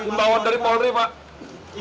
imbawan dari polri pak